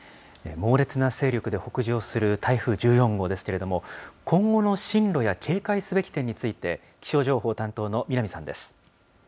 猛烈な勢力で北上する台風１４号ですけれども、今後の進路や警戒すべき点について、気象情報担当の南さんです。